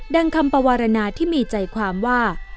คำปวารณาที่มีใจความว่า